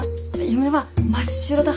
夢は真っ白だ